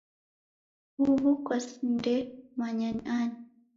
Huw'u kwasindemanya ni ani?.